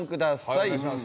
お願いします。